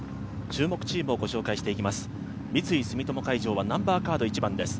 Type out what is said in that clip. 注目チームをご紹介していきます。